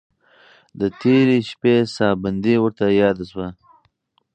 د تېرې شپې ساه بندي ورته یاده شوه.